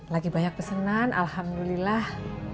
lagi banyak pesenan alhamdulillah